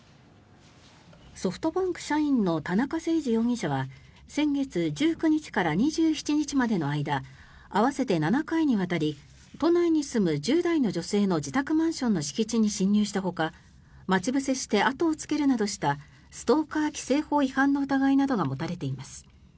ソフトバンク社員の田中誠司容疑者は先月１９日から２７日までの間合わせて７回にわたり都内に住む１０代の女性の自宅マンションの敷地に侵入したほか待ち伏せして後をつけるなどしたストーカー規制法違反の疑いが持たれています。